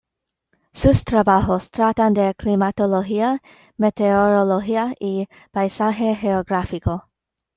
Sus trabajos tratan de Climatología, Meteorología y Paisaje Geográfico.